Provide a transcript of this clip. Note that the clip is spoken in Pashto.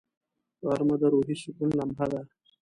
غرمه د روحي سکون لمحه ده